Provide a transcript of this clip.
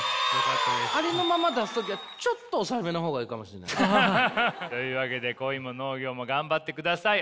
ありのまま出す時はちょっと抑えめの方がいいかもしんない。というわけで恋も農業も頑張ってください。